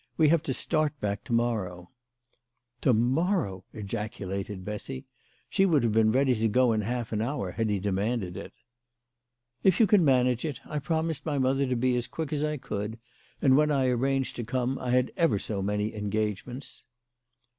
We have to start back to morrow." "To morrow !" ejaculated Bessy. She would have been ready to go in half an hour had he demanded it. "If you can manage it. I promised my mother to be as quick as I could ; and, when I arranged to come, I had ever so many engagements."